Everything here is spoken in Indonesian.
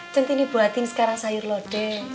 centini buatin sekarang sayur lodeh